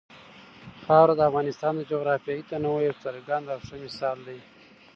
خاوره د افغانستان د جغرافیوي تنوع یو څرګند او ښه مثال دی.